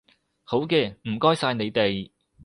好嘅，唔該曬你哋